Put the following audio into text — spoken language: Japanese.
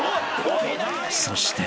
［そして］